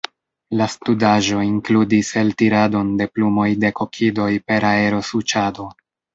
La studaĵo inkludis eltiradon de plumoj de kokidoj per aerosuĉado.